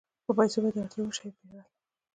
په پیسو به یې د اړتیا وړ شیان پېرل